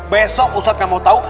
besok ustadz nggak mau tahu